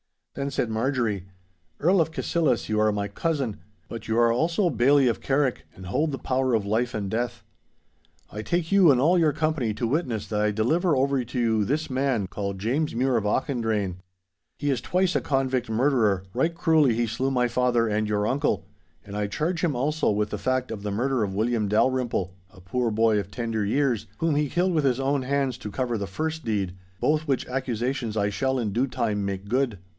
Then said Marjorie, 'Earl of Cassillis, you are my cousin; but you are also Bailzie of Carrick and hold the power of life and death. I take you and all your company to witness that I deliver over to you this man, called James Mure of Auchendrayne. He is twice a convict murderer—right cruelly he slew my father and your uncle, and I charge him also with the fact of the murder of William Dalrymple, a poor boy of tender years, whom he killed with his own hands to cover the first deed—both which accusations I shall in due time make good.